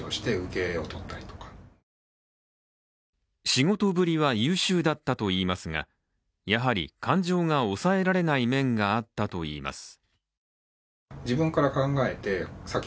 仕事ぶりは優秀だったといいますが、やはり感情が抑えられない面があったといいます。